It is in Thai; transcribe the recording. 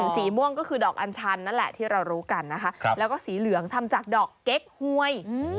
สีม่วงก็คือดอกอัญชันนั่นแหละที่เรารู้กันนะคะแล้วก็สีเหลืองทำจากดอกเก๊กหวย